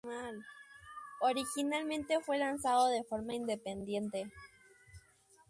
Originalmente fue lanzado de forma independiente.